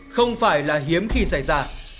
không phải là hiếm khi xảy ra